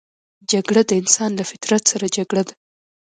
جګړه د انسان له فطرت سره جګړه ده